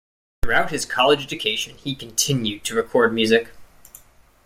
Throughout his college education he continued to record music.